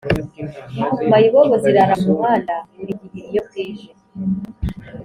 Mayibobo zirara mumuhanda buri gihe iyo bwije